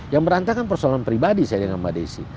yang berantem kan persoalan pribadi saya dengan mbak desi